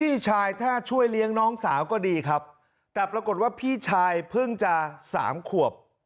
พี่ชายถ้าช่วยเลี้ยงน้องสาวก็ดีครับแต่ปรากฏว่าพี่ชายเพิ่งจะสามขวบ